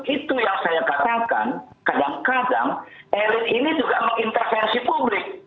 itu yang saya katakan kadang kadang elit ini juga mengintervensi publik